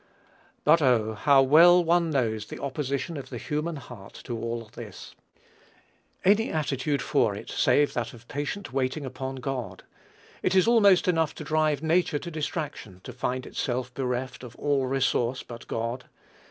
But oh! how well one knows the opposition of the human heart to all this! Any attitude for it save that of patient waiting upon God. It is almost enough to drive nature to distraction to find itself bereft of all resource but God.